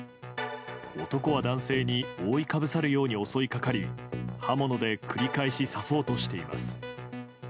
男は男性に覆いかぶさるように襲いかかり刃物で繰り返し刺そうとしています。